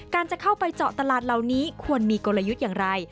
จะเข้าไปเจาะตลาดเหล่านี้ควรมีกลยุทธ์อย่างไร